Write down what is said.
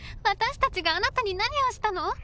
私たちがあなたに何をしたの？